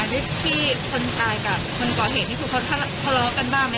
ที่คนตายกับคนก่อเหตุที่ทุกคนทะเลาะกันบ้างไหมครับ